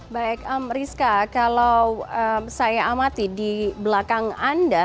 baik rizka kalau saya amati di belakang anda